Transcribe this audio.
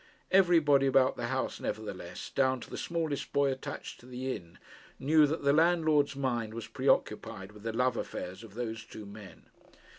Everybody about the house, nevertheless, down to the smallest boy attached to the inn, knew that the landlord's mind was pre occupied with the love affairs of those two men.